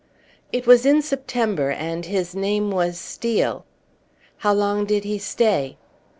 "It was in September, and his name was Steel." "How long did he stay?"